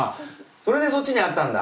それでそっちにあったんだ。